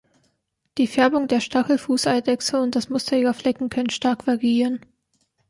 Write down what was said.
Die Färbung der Stachelfußeidechse und das Muster ihrer Flecken können stark variieren.